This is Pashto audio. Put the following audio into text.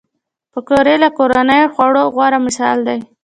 پکورې له کورني خوړو غوره مثال دی